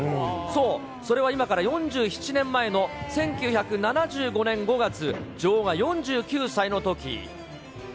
そう、それは今から４７年前の１９７５年５月、女王が４９歳のとき。